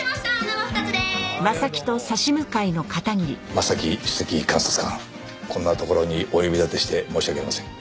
正木首席監察官こんな所にお呼び立てして申し訳ありません。